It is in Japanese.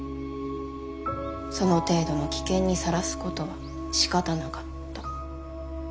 その程度の危険にさらすことはしかたなかった。